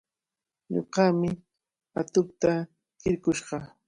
Ñuqami atuqta rirqush kaa.